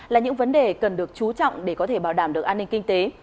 là những vấn đề cần được chú trọng để có thể bảo đảm được an ninh kinh tế